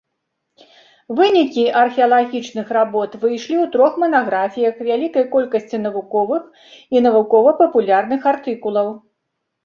Вынікі археалагічных работ выйшлі ў трох манаграфіях, вялікай колькасці навуковых і навукова-папулярных артыкулаў.